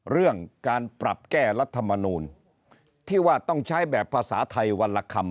เรื่องการปรับแก้รัฐมนูลที่ว่าต้องใช้แบบภาษาไทยวันละคำ